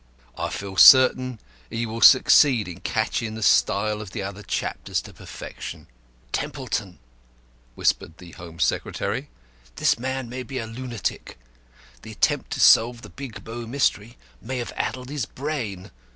I feel certain he will succeed in catching the style of the other chapters to perfection." "Templeton," whispered the Home Secretary, "this man may be a lunatic. The effort to solve the Big Bow Mystery may have addled his brain.